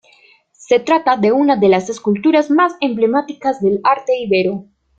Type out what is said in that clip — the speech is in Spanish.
Se trata de una de las esculturas más emblemáticas del arte íbero.